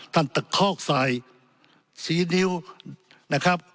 ท่านตะคอกสายสีนิ้วนะครับ